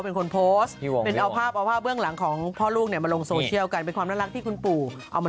เอาข่าวภาคกรูดีกว่าวันอาทินาท